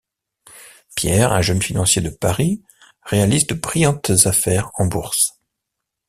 Pierre, un jeune financier de Paris réalise de brillantes affaires en bourse.